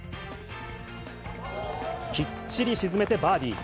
きっちり沈めてバーディー。